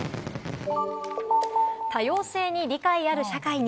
多様性に理解ある社会に。